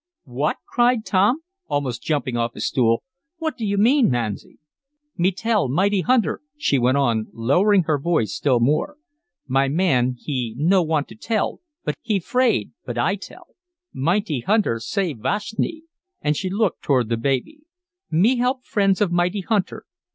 "What!" cried Tom, almost jumping off his stool. "What do you mean, Masni?" "Me tell mighty hunter," she went on, lowering her voice still more. "My man he no want to tell, he 'fraid, but I tell. Mighty hunter save Vashni," and she looked toward the baby. "Me help friends of mighty hunter.